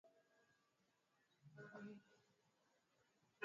Wimbo wa kitaifa ya kongo ilitungwa na ndugu Lutumba